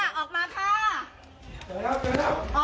เจอแล้วเจอแล้ว